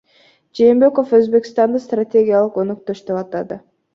Жээнбеков Өзбекстанды стратегиялык өнөктөш деп атады